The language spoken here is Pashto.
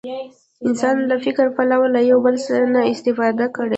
انسان له فکري پلوه له یو بل نه استفاده کړې.